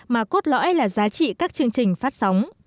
mà cốt lõi là giá trị các chương trình phát sóng